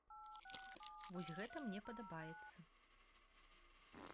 Вось гэта мне падабаецца.